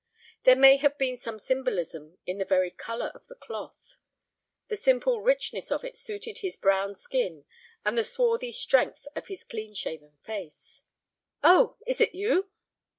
There may have been some symbolism in the very color of the cloth. The simple richness of it suited his brown skin and the swarthy strength of his clean shaven face. "Oh, is it you!"